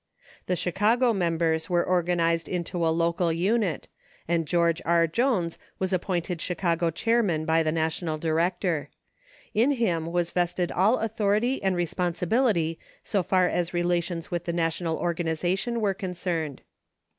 The Chicago members were organized into a local unit, and George R. Jones was appointed Chicago Chairman by the National Director. In him was vested all authority and responsibility so far as relations with the national organization were concerned.